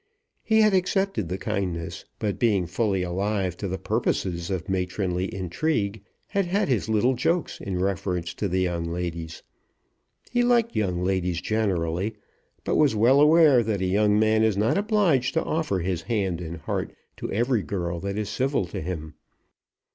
He had accepted the kindness; but being fully alive to the purposes of matronly intrigue, had had his little jokes in reference to the young ladies. He liked young ladies generally, but was well aware that a young man is not obliged to offer his hand and heart to every girl that is civil to him.